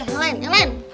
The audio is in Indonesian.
yang lain yang lain